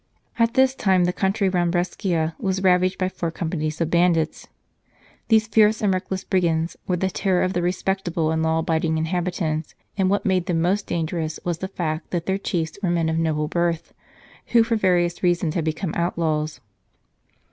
At this time the country round Brescia was ravaged by four companies of banditti. These fierce and reckless brigands were the terror of the respectable and law abiding inhabitants, and what made them most dangerous was the fact that their chiefs were men of noble birth, who for various reasons had become outlaws.